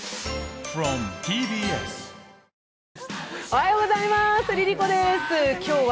おはようございます。